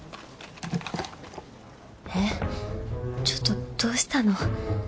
ちょっとどうしたの？